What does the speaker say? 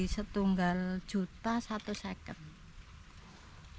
setinggal juta satu second